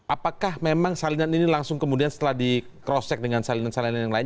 apakah memang salinan ini langsung kemudian setelah di cross check dengan salinan salinan yang lain